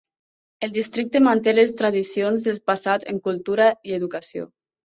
El districte manté les tradicions del passat en cultura i educació.